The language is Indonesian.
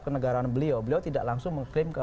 kenegaraan beliau beliau tidak langsung mengklaim ke